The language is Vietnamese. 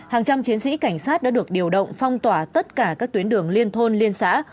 hàng trăm chiến sĩ cảnh sát đã được điều động phong tỏa tất cả các tuyến đường liên thôn liên xã